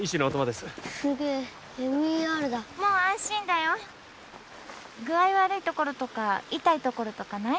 すげえＭＥＲだもう安心だよ具合悪いところとか痛いところとかない？